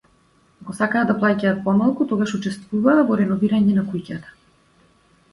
Ако сакаа да плаќаат помалку, тогаш учествуваа во реновирање на куќата.